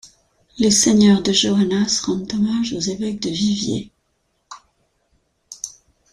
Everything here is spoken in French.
Les seigneurs de Joannas rendent hommage aux évêques de Viviers.